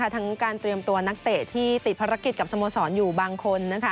ทั้งการเตรียมตัวนักเตะที่ติดภารกิจกับสโมสรอยู่บางคน